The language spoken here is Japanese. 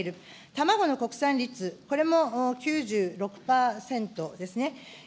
卵の国産率、これも９６％ですね。